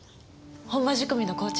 本場仕込みの紅茶？